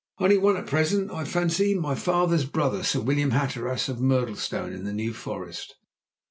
"Only one at present, I fancy my father's brother, Sir William Hatteras, of Murdlestone, in the New Forest."